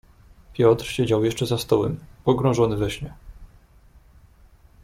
"Piotr siedział jeszcze za stołem, pogrążony we śnie."